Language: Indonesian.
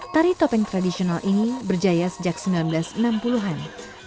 tari topeng tradisional ini berjaya sejak seribu sembilan ratus enam puluh an